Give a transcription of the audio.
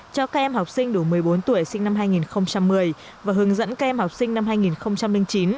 cho các em học sinh đủ một mươi bốn tuổi sinh năm hai nghìn một mươi và hướng dẫn các em học sinh năm hai nghìn chín